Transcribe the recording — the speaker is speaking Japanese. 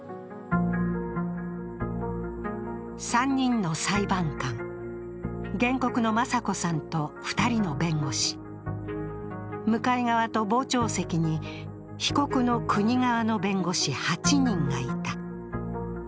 ３人の裁判官、原告の雅子さんと２人の弁護士、向かい側と傍聴席に被告の国側の弁護士８人がいた。